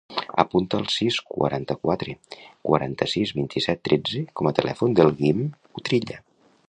Apunta el sis, quaranta-quatre, quaranta-sis, vint-i-set, tretze com a telèfon del Guim Utrilla.